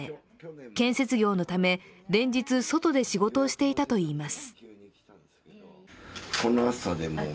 建設業のため、連日外で仕事をしていたといいます。